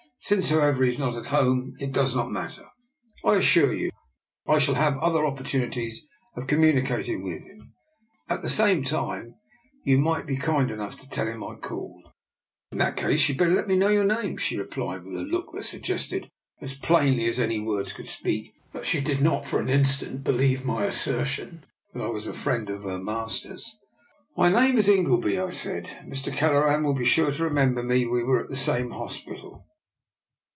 Since, however, he is not at home, it does not matter, I assure you. I shall have other opportunities of communicating with 28 DR. NIKOLA'S EXPERIMENT. him. At the same time, you might be kind enough to tell him I called." " In that case you'd better let me know your name/' she replied, with 'a look that sug gested as plainly as any words could speak that she did not for an instant believe my assertion that I was a friend of her master's. " My name is Ingleby," I said. " Mr. Kelleran will be sure to remember me. We were at the same hospital."